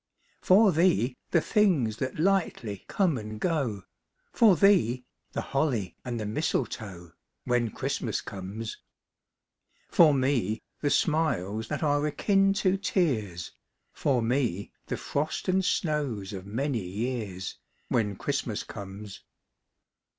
For thee, the things that lightly come and go, For thee, the holly and the mistletoe, When Christmas comes. For me, the smiles that are akin to tears, For me, the frost and snows of many years, When Christmas comes.